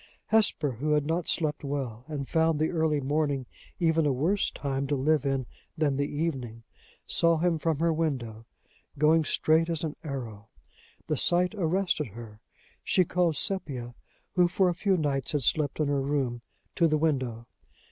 Hesper, who had not slept well, and found the early morning even a worse time to live in than the evening, saw him from her window, going straight as an arrow. The sight arrested her. She called Sepia, who for a few nights had slept in her room, to the window.